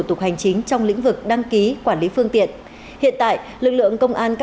tục hành chính trong lĩnh vực đăng ký quản lý phương tiện hiện tại lực lượng công an các